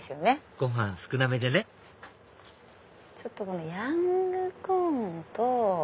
ご飯少なめでねちょっとこのヤングコーンと。